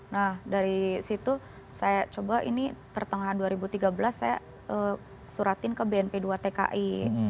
nah dari situ saya coba ini pertengahan dua ribu tiga belas saya suratin ke bnp dua tki